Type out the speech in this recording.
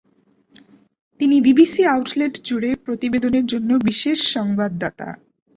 তিনি BBC outlet জুড়ে প্রতিবেদনের জন্য বিশেষ সংবাদদাতা।